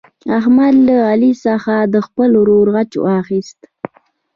احمد له علي څخه د خپل ورور غچ واخیست.